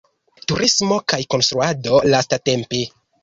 Turismo kaj konstruado lastatempe.